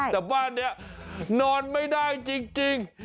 แต่บ้านนี้นอนไม่ได้จริง